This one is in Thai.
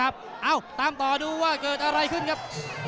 ตามต่อดูว่าเกิดอะไรขึ้นครับ